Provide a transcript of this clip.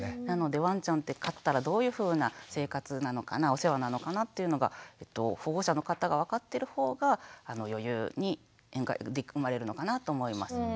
なのでワンちゃんって飼ったらどういうふうな生活なのかなお世話なのかなっていうのが保護者の方が分かってるほうが余裕が生まれるのかなと思います。